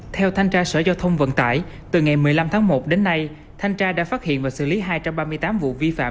theo thanh tra sở giao thông vận tải từ ngày một mươi năm tháng một đến nay thanh tra đã phát hiện và xử lý hai trăm ba mươi tám vụ vi phạm